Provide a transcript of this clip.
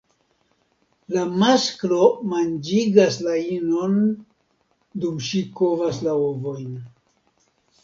La masklo manĝigas la inon dum ŝi kovas la ovojn.